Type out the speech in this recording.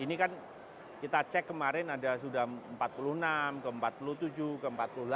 ini kan kita cek kemarin ada sudah empat puluh enam ke empat puluh tujuh ke empat puluh delapan